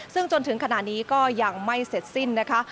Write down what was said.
ซึ่งจนถึงขณะนี้ก็ยังไม่เสร็จสิ้นนะคะ